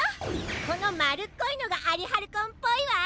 このまるっこいのがアリハルコンっぽいわ！